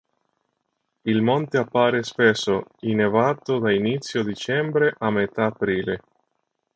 Il monte appare spesso innevato da inizio dicembre a metà aprile.